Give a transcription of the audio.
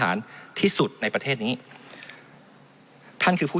มันตรวจหาได้ระยะไกลตั้ง๗๐๐เมตรครับ